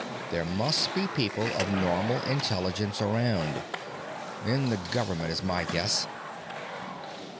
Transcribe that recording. There must be people of normal intelligence around. In the government, is my guess."